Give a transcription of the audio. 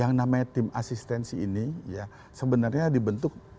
yang namanya tim asistensi ini ya sebenarnya dibentuk